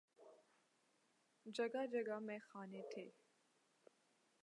جگہ جگہ میخانے تھے۔